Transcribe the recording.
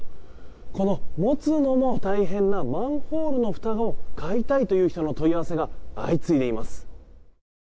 この持つのも大変なマンホールのふたを買いたいという人の問い合わせが相次いでいます。